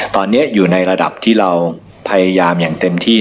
ตอนนี้อยู่ในระดับที่เราพยายามอย่างเต็มที่